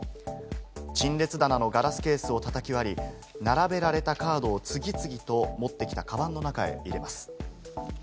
陳列棚のガラスケースを叩き割り、並べられたカードを次々と持ってきたカバンの中へ入れます。